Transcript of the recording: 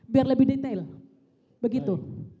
biar lebih detail begitu